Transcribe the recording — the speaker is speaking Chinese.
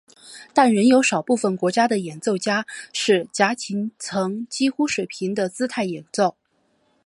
但仍有少部分国家的演奏家是夹琴呈几乎水平的姿态演奏。